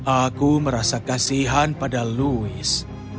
aku merasa kasihan pada louis